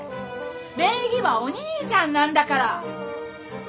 名義はお兄ちゃんなんだから。